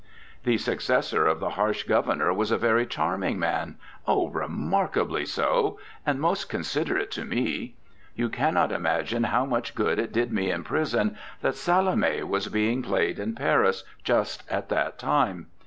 'The successor of the harsh Governor was a very charming man oh! remarkably so and most considerate to me. You cannot imagine how much good it did me in prison that Salomé was being played in Paris just at that time.